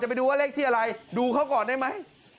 ไปดูว่าเลขที่อะไรดูเขาก่อนได้ไหม